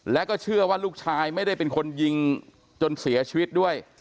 แล้วก็เชื่อว่าลูกชายไม่ได้เป็นคนยิงจนเสียชีวิตด้วย